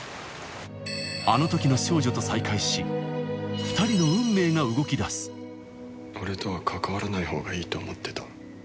あの時の少女と再会し２人の俺とは関わらない方がいいと思ってた。